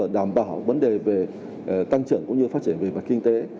đảm bảo vấn đề về tăng trưởng cũng như phát triển về mặt kinh tế